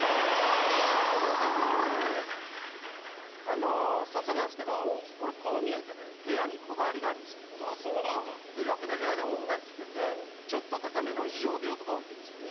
あの早速なんですけどおう俺こう見えてね部屋にこだわりがあるんですよああそうなんだでよくね部屋で音楽聴くんでちょっと高めのいいオーディオとか置いてるんですよ